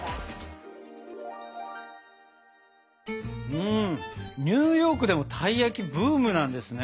うんニューヨークでもたい焼きブームなんですね。